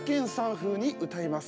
風に歌います。